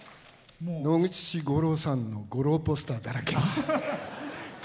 野口五郎さんの五郎ポスターだらけ。